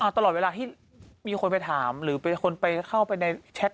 ตลอดเวลาที่มีคนไปถามหรือเป็นคนไปเข้าไปในแชท